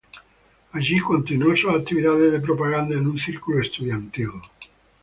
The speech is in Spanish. Allí continuó sus actividades de propaganda en un círculo estudiantil.